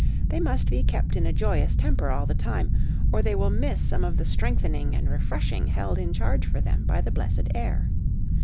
They must be bept in a joyous temper all the time, or they will miss some of the strengthening and refreshing held in charge for them by the blessed air.